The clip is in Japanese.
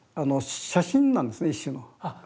写真なんですね一種の。